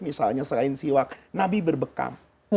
misalnya selain siwak nabi berbekam